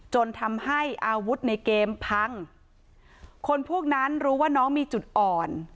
จนทำให้อาวุธในเกมพังคนพวกนั้นรู้ว่าน้องมีจุดอ่อน